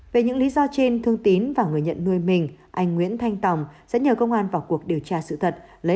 về những lý do trên thương tín và người nhận nuôi mình anh nguyễn thanh tòng sẽ nhờ công an vào cuộc điều tra sự thật